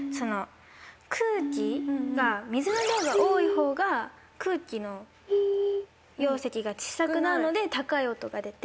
空気が水の量が多いほうが空気の容積が小っさくなるので高い音が出て。